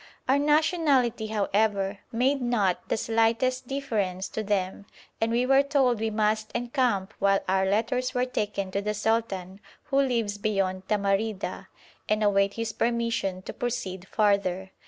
Our nationality, however, made not the slightest difference to them, and we were told we must encamp while our letters were taken to the sultan, who lives beyond Tamarida, and await his permission to proceed farther.